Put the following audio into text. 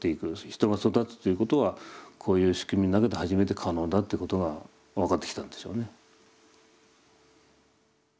人が育つということはこういう仕組みの中で初めて可能だってことが分かってきたんでしょうね。